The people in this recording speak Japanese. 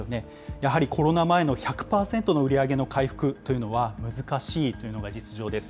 やはりコロナ前の１００％の売り上げの回復というのは、難しいというのが実情です。